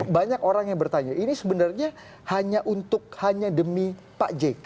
banyak orang yang bertanya ini sebenarnya hanya demi pak jk